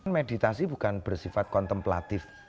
meditasi juga bukan ber stair predator